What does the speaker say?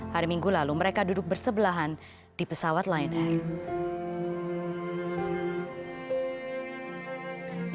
hari minggu lalu mereka duduk bersebelahan di pesawat lion air